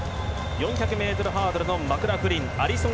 ４００ｍハードルのマクラフリンアリソン